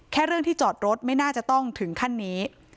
เรื่องที่จอดรถไม่น่าจะต้องถึงขั้นนี้